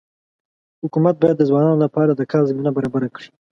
حکومت باید د ځوانانو لپاره د کار زمینه برابره کړي.